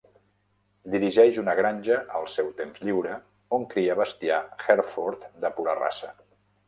Dirigeix una granja al seu temps lliure on cria bestiar Hereford de pura raça.